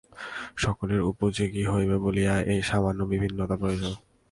সকলের উপযোগী হইবে বলিয়া এই সামান্য বিভিন্নতা প্রয়োজন।